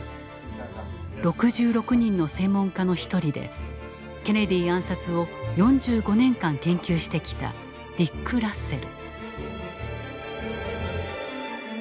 ６６人の専門家の一人でケネディ暗殺を４５年間研究してきたディック・ラッセル。